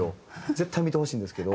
絶対見てほしいんですけど。